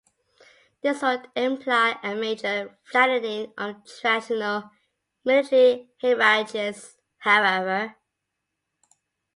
This would imply a major flattening of traditional military hierarchies, however.